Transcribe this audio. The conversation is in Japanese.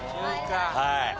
はい。